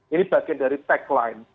ini bagian dari tagline